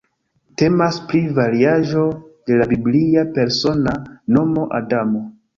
Temas pri variaĵo de la biblia persona nomo Adamo.